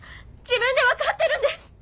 自分で分かってるんです！